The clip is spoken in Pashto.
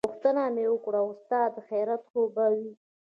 پوښتنه مې وکړه استاده خيريت خو به وي.